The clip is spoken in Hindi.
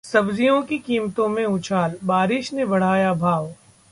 सब्जियों की कीमतों में उछाल, बारिश ने बढ़ाया भाव